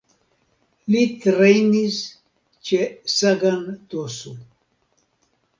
Li trejnis ĉe Sagan Tosu.